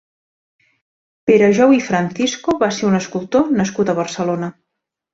Pere Jou i Francisco va ser un escultor nascut a Barcelona.